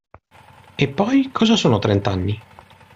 Eppoi, cosa sono trent'anni?